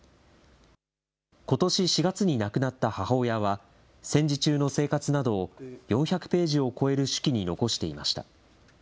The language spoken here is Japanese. ことし４月に亡くなった母親は、戦時中の生活などを４００ページを超える手記に残していました。